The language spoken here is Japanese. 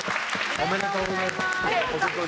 おめでとうございます。